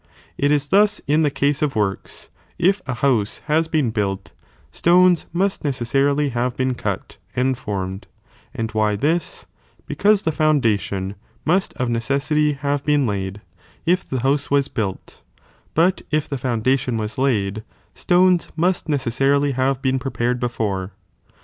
It is thna in the case of works, if a hoilse has been built, stones must necessarily have been cut^ and formed ; and why this p becauK the foundation must of neo^sity have been laid, if the house was built, but if the foundation was laid, stones must neces sarily have been prepared before.